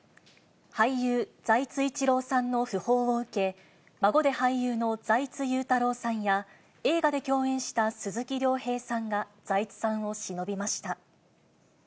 俳優、財津一郎さんの訃報を受け、孫で俳優の財津優太郎さんや、映画で共演した鈴木亮平さんが財津さんをしのびました。